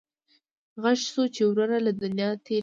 غږ شو چې ورور له دنیا تېر شو.